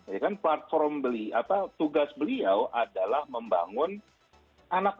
ya kan platform beli apa tugas beliau adalah membangun anak anak